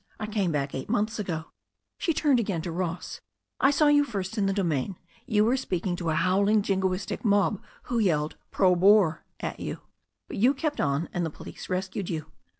I came back eight months ago." She turned again to Ross. "I saw you first in the Domain. You were speaking to a howling jingo istic mob who yelled Tro Boer' at you. But you kept on, and the police rescued you.